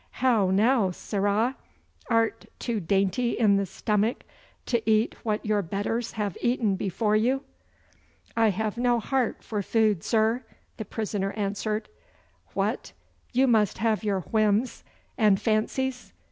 How now, sirrah, art too dainty in the stomach to eat what your betters have eaten before you?' 'I have no hairt for food, zur,' the prisoner answered. 'What, you must have your whims and fancies!